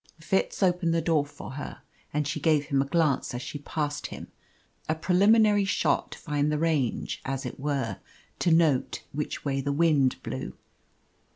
Fitz opened the door for her, and she gave him a glance as she passed him a preliminary shot to find the range, as it were to note which way the wind blew.